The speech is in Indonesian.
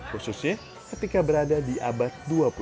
khususnya ketika berada di abad dua puluh satu